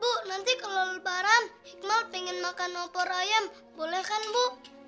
bu nanti kalau lebaran iqmal ingin makan wapor ayam boleh kan bu